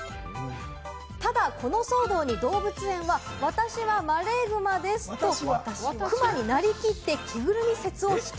ただ、この騒動に動物園は私はマレーグマです！と、クマになりきって着ぐるみ説を否定。